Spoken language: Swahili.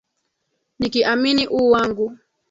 nikiamini u wangu